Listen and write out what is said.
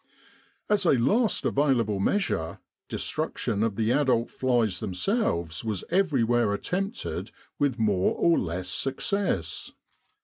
As a last available measure, destruction of the adult flies themselves was everywhere attempted with more or less success.